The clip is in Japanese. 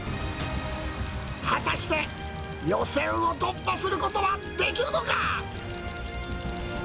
果たして予選を突破することはできるのか。